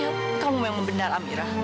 ya kamu memang benar amira